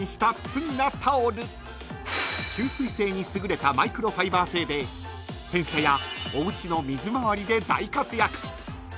［吸水性に優れたマイクロファイバー製で洗車やおうちの水回りで大活躍］